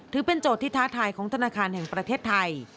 ถือเป็นโจทย์ที่ท้าทายของธนาคารแห่งประเทศไทย